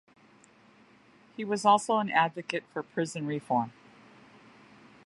He was also an advocate for prison reform.